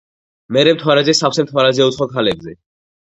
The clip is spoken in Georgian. მერე მთვარეზე სავსე მთვარეზე უცხო ქალებზე.